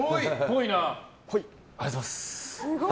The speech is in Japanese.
ありがとうございます。